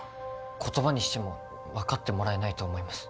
言葉にしても分かってもらえないと思います